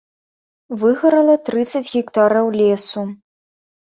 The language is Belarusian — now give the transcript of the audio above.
Выгарала трыццаць гектараў лесу.